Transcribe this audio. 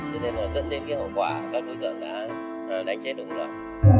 cho nên là dẫn đến cái hậu quả các đối tượng đã đánh chết đồng loạt